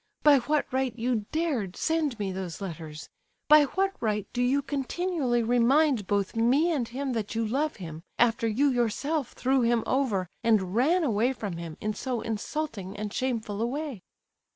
By what right you dared send me those letters? By what right do you continually remind both me and him that you love him, after you yourself threw him over and ran away from him in so insulting and shameful a way?"